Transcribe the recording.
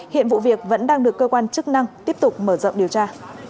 hiện vụ việc vẫn đang được cơ quan chức năng tiếp tục mở rộng điều tra